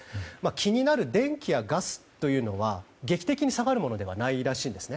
気になる電気やガスというのは劇的に下がるものではないらしいんですね。